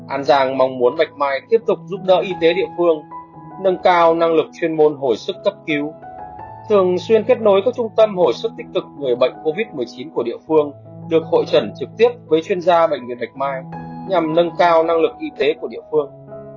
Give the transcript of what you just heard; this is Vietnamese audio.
an giang mong muốn bạch mai tiếp tục giúp đỡ y tế địa phương nâng cao năng lực chuyên môn hồi sức cấp cứu thường xuyên kết nối các trung tâm hồi sức tích cực người bệnh covid một mươi chín của địa phương được hội trần trực tiếp với chuyên gia bệnh viện bạch mai nhằm nâng cao năng lực y tế của địa phương